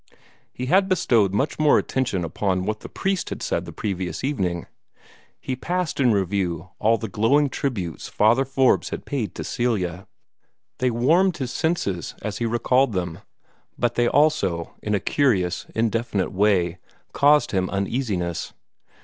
He had bestowed much more attention upon what the priest had said the previous evening. He passed in review all the glowing tributes Father Forbes had paid to Celia. They warmed his senses as he recalled them, but they also, in a curious, indefinite way, caused him uneasiness.